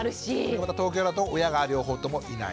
また東京だと親が両方ともいない。